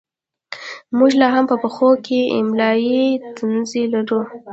موږ لا هم په پښتو کې املايي ستونزې لرو